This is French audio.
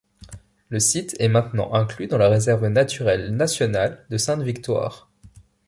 Le site est maintenant inclus dans la réserve naturelle nationale de Sainte-Victoire.